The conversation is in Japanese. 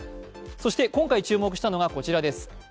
今回注目したのが、こちらです。